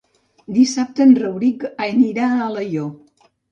Dissabte en Rauric anirà a Alaior.